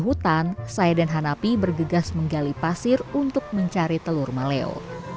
hutan saya dan hanapi bergegas menggali pasir untuk mencari telur maleo